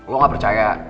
lo gak percaya